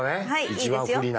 一番不利な。